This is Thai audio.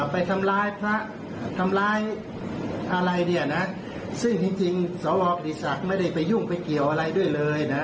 ไปทำร้ายพระทำร้ายอะไรเนี่ยนะซึ่งจริงสวกิติศักดิ์ไม่ได้ไปยุ่งไปเกี่ยวอะไรด้วยเลยนะ